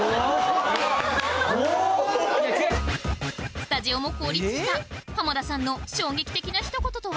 スタジオも凍りついた浜田さんの衝撃的な一言とは？